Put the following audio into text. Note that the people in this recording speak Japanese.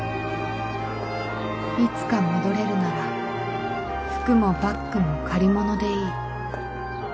いつか戻れるなら服もバッグも借り物でいい